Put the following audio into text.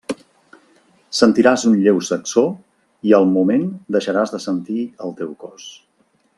Sentiràs un lleu sacsó i al moment deixaràs de sentir el teu cos.